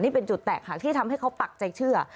นี่เป็นจุดแตกหักที่ทำให้เขาปักใจเชื่อ